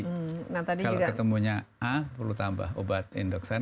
kalau ketemunya a perlu tambah obat indoksen